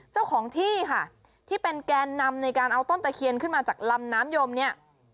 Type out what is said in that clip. เจ้าของที่ค่ะที่เป็นแกนนำในการเอาต้นตะเคียนขึ้นมาจากลำน้ำยมเนี่ย